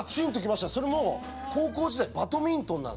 それも高校時代バドミントンなんですよ。